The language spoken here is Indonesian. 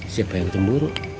siapa yang cemburu